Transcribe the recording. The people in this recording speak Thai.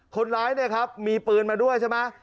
คนร้ายเนี่ยครับมีปืนมาด้วยใช่ไหม